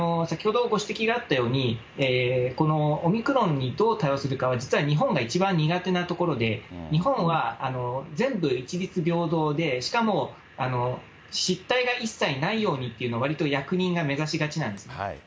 先ほどご指摘があったように、このオミクロンにどう対応するかは、実は日本が一番苦手なところで、日本は全部一律平等で、しかも失態が一切ないようにというのを、わりと役人が目指しがちなんです。